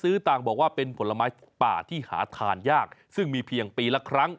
ต่างบอกว่าเป็นผลไม้ป่าที่หาทานยากซึ่งมีเพียงปีละครั้ง